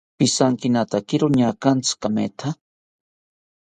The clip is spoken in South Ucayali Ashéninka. Pijankinatakiro ñaagantzi kametha